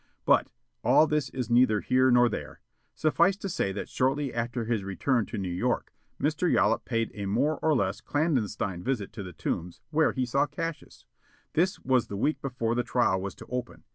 But all this is neither here nor there. Suffice to say that shortly after his return to New York, Mr. Yollop paid a more or less clandestine visit to the Tombs, where he saw Cassius. This was the week before the trial was to open.